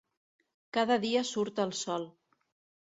Cada dia surt el sol.